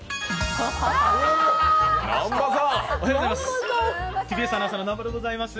おはようございます。